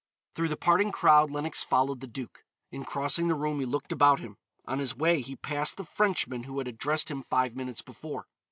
Through the parting crowd Lenox followed the duke. In crossing the room he looked about him. On his way he passed the Frenchman who had addressed him five minutes before.